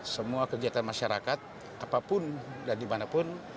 semua kegiatan masyarakat apapun dan dimanapun